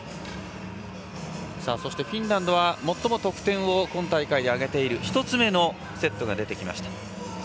そしてフィンランドは最も得点を今大会で挙げた１つ目のセットが出てきました。